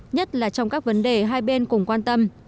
nhất là trong các vấn đề hai bên cùng quan tâm